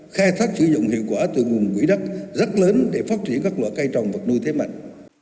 khai thác sử dụng hiệu quả từ nguồn quỹ đất rất lớn để phát triển các loại cây trồng vật nuôi thế mạnh